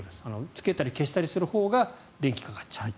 つけたり消したりするほうが電気がかかっちゃう。